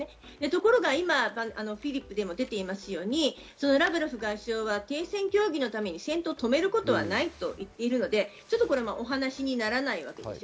ところが今、フリップでも出ているようにラブロフ外相は停戦協議のために戦闘を止めることはないと言っているのでお話にならないわけです。